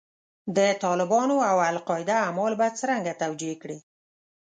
د طالبانو او القاعده اعمال به څرنګه توجیه کړې.